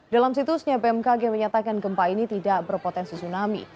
dalam situsnya bmkg menyatakan gempa ini tidak berpotensi tsunami